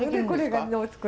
これが。え！